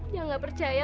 dia gak percaya